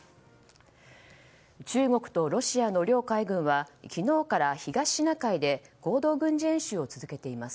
中国とロシアの両海軍は昨日から東シナ海で合同軍事演習を続けています。